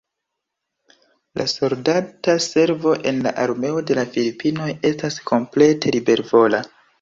La soldata servo en la Armeo de la Filipinoj estas komplete libervola.